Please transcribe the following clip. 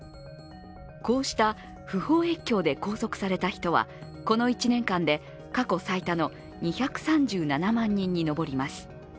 こうした不法越境で拘束された人はこの１年間で過去最多の２３７万人にのぼります。